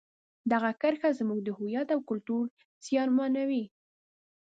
دغه کرښه زموږ د هویت او کلتور زیانمنوي.